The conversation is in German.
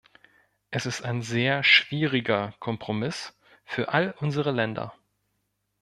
Es ist ein sehr schwieriger Kompromiss für all unsere Länder.